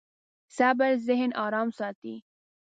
صبر ذهن ارام ساتي.